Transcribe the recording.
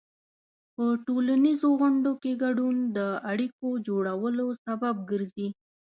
په ټولنیزو غونډو کې ګډون د اړیکو جوړولو سبب ګرځي.